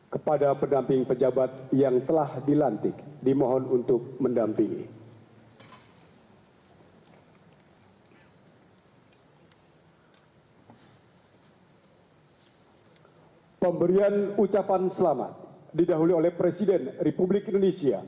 kepada yang terhormat presiden republik indonesia